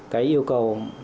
cái yêu cầu